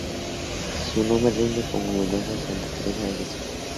Su nombre rinde homenaje a Santa Teresa de Jesús.